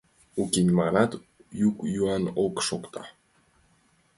Уке, нимогай йӱк-йӱан ок шокто.